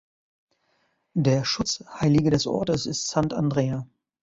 Der Schutzheilige des Ortes ist "Sant'Andrea".